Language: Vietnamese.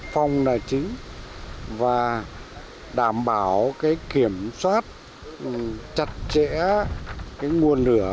phòng là chính và đảm bảo cái kiểm soát chặt chẽ cái nguồn lửa